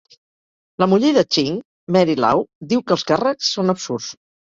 La muller de Ching, Mary Lau, diu que els càrrecs són absurds.